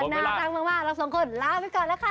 น่ารักมากเราสองคนลาไปก่อนแล้วค่ะ